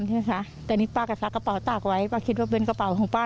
ใช่ไหมคะแต่นี่ป้าก็ซักกระเป๋าตากไว้ป้าคิดว่าเป็นกระเป๋าของป้า